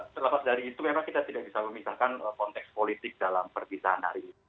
terlepas dari itu memang kita tidak bisa memisahkan konteks politik dalam perpisahan hari ini